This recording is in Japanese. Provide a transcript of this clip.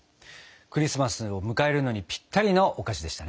クリスマスを迎えるのにぴったりのお菓子でしたね。